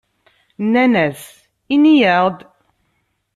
Nnan-as: "Ini-aɣ-d."